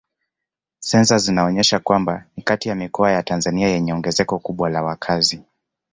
Sensa zinaonyesha kwamba ni kati ya mikoa ya Tanzania yenye ongezeko kubwa la wakazi.